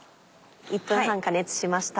１分半加熱しました